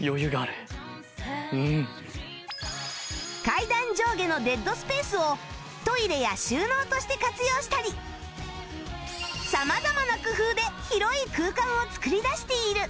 階段上下のデッドスペースをトイレや収納として活用したり様々な工夫で広い空間を作り出している